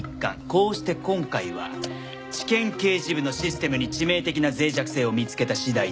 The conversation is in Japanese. こうして今回は地検刑事部のシステムに致命的な脆弱性を見つけた次第です。